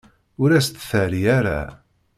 Ur as-d-terri ara.